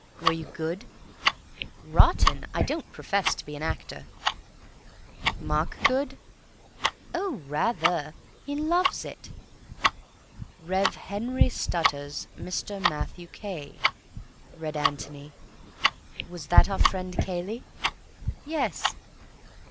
"Were you good?" "Rotten. I don't profess to be an actor." "Mark good?" "Oh, rather. He loves it." "Rev. Henry Stutters—Mr. Matthew Cay," read Antony. "Was that our friend Cayley?" "Yes."